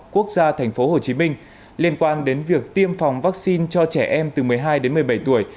đại học quốc gia thành phố hồ chí minh liên quan đến việc tiêm phòng vaccine cho trẻ em từ một mươi hai đến một mươi bảy tuổi